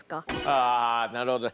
あなるほどね。